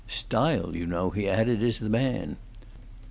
"Style, you know," he added, "is the man."